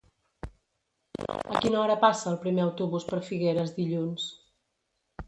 A quina hora passa el primer autobús per Figueres dilluns?